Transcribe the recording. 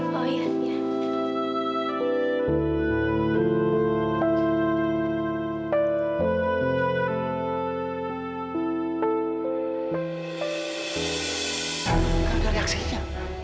dokter gimana keadaan evita